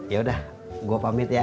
yaudah gue pamit ya